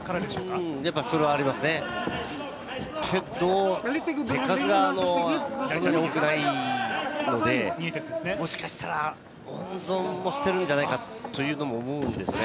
けど、ニエテスは手数が多くないので、もしかしたら温存もしてるんじゃないかとも思うんですね。